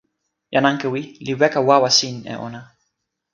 jan Ankewi li weka wawa sin e ona.